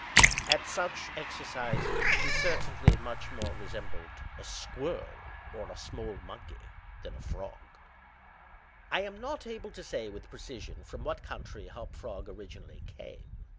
At such exercises he certainly much more resembled a squirrel, or a small monkey, than a frog. I am not able to say, with precision, from what country Hop Frog originally came.